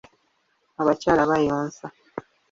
Abakyala bayonsa.